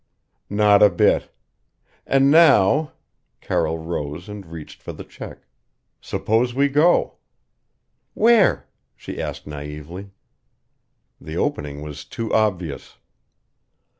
"Not a bit. And now" Carroll rose and reached for the check "suppose we go?" "Where?" she asked naively. The opening was too obvious.